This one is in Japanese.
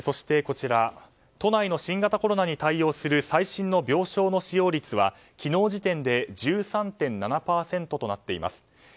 都内の新型コロナに対応する最新の病床の使用率は昨日時点で１３．７％となっています。